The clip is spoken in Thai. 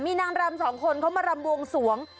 มีนางรำสองคนเขามารำบวงสวง